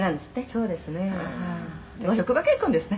「そうですね」